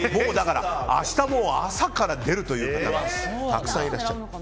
明日は朝から出るという方はたくさんいらっしゃる。